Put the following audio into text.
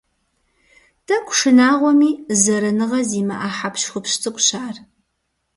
Тӏэкӏу шынагъуэми, зэраныгъэ зимыӀэ хьэпщхупщ цӀыкӀущ ар.